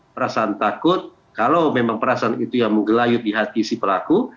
perasaan takut kalau memang perasaan itu yang menggelayut di hati si pelaku